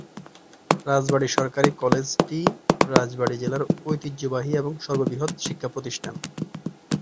রাজবাড়ী সরকারি কলেজটি রাজবাড়ী জেলার ঐতিহ্যবাহী এবং সর্ববৃহৎ শিক্ষাপ্রতিষ্ঠান।